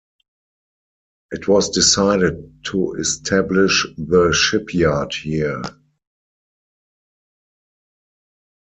It was decided to establish the shipyard here.